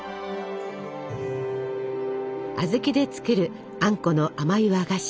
小豆で作るあんこの甘い和菓子。